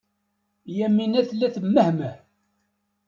Yamina tella temmehmeh.